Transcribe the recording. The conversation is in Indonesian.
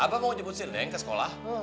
apa mau jemput si neng ke sekolah